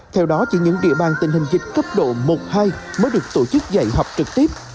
theo đó chỉ những địa bàn tình hình dịch cấp độ một hai mới được tổ chức dạy học trực tiếp